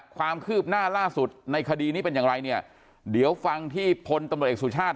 ความคืบหน้าล่าสุดในคดีนี้เป็นอย่างไรเนี่ยเดี๋ยวฟังที่พลตำรวจเอกสุชาติ